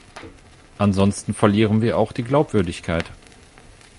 Ansonsten verlieren wir auch die Glaubwürdigkeit.